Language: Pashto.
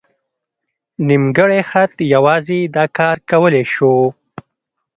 نیمګړی خط یوازې دا کار کولی شو.